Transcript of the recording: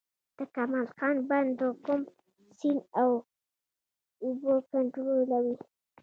د کمال خان بند د کوم سیند اوبه کنټرولوي؟